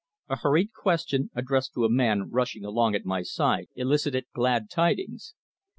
A hurried question, addressed to a man rushing along at my side, elicited glad tidings.